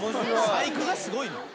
細工がすごいな。